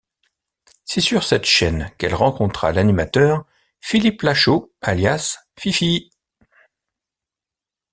C'est sur cette chaine qu'elle rencontra l'animateur Philippe Lacheau, alias Fifi.